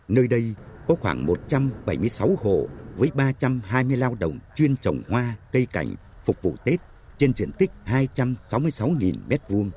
nơi đây có khoảng một trăm bảy mươi sáu hộ với ba trăm hai mươi lao động chuyên trồng hoa cây cảnh phục vụ tết trên diện tích hai trăm sáu mươi sáu m hai